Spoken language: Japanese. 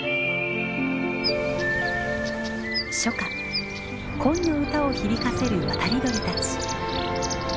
初夏恋の歌を響かせる渡り鳥たち。